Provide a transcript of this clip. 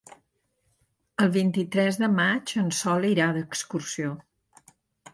El vint-i-tres de maig en Sol irà d'excursió.